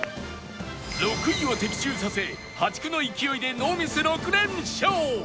６位を的中させ破竹の勢いでノーミス６連勝！